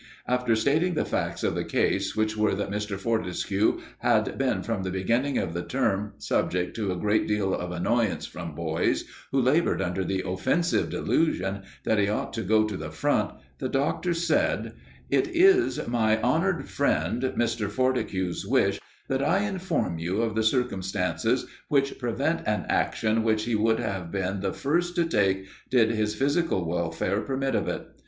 After stating the facts of the case, which were that Mr. Fortescue had been from the beginning of the term subject to a great deal of annoyance from boys, who laboured under the offensive delusion that he ought to go to the Front, the Doctor said "It is my honoured friend, Mr. Fortescue's wish that I inform you of the circumstances which prevent an action which he would have been the first to take did his physical welfare permit of it.